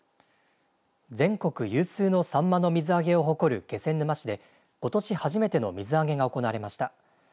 全国有数のサンマの水揚げを誇る気仙沼市でことし初めての水揚げが行われました。